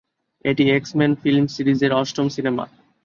এটি X Men film series এর অষ্টম সিনেমা।